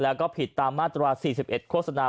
แล้วก็ผิดตามมาตรา๔๑โฆษณา